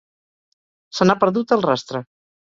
Se n'ha perdut el rastre.